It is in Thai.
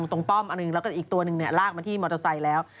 ตรงป้อมอันนึงแล้วก็อีกจตรวนึงเนี่ยลากมาที่มอเตอร์ไซต์แล้ว